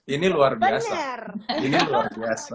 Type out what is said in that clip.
ini luar biasa